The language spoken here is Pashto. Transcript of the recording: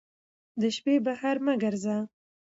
د شپې بهر مه ګرځه